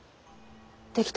できた！